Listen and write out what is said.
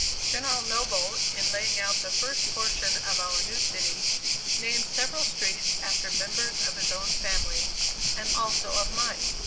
General Noble, in laying out the first portion of our new city, named several streets after members of his own family, and also of mine.